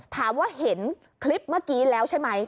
ถามว่าเห็นคลิปเมื่อกี้แล้วใช่ไหม